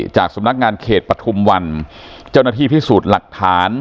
จากสำนักงานเขตปฐุมวันเจ้าหน้าที่พิสูจน์หลักฐาน